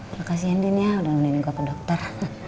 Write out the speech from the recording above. makasih ya ndini ya udah menemani gue pendokter